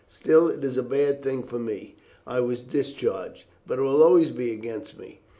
Still, it is a bad thing for me. I was discharged, but it will always be against me.